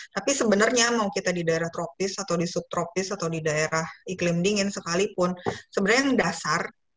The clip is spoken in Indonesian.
tapi sebenarnya mau kita di daerah tropis atau di subtropis atau di daerah iklim dingin sekalipun sebenarnya yang dasar